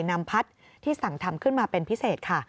นำพัดที่สั่งทำขึ้นมาเป็นพิเศษค่ะ